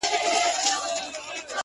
• عدالت چي وي په لاس د شرمښانو ,